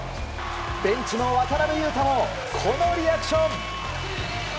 ベンチの渡邊雄太もこのリアクション！